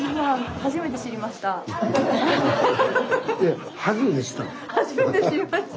初めて知りました。